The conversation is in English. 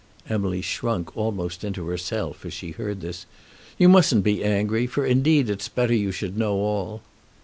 Emily shrunk almost into herself as she heard this. "You mustn't be angry, for indeed it's better you should know all."